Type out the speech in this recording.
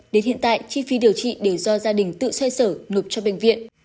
đến hiện tại chi phí điều trị đều do gia đình tự xoay sở nộp cho bệnh viện